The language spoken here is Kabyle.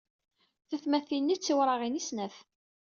Tatmatin-nni d tiwraɣin i snat.